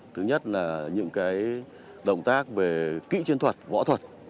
thứ nhất là những động tác về kỹ chiến thuật võ thuật